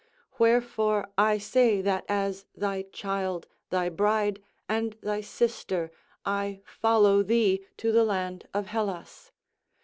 Wherefore I say that as thy child, thy bride and thy sister, I follow thee to the land of Hellas.